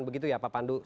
begitu ya pak pandu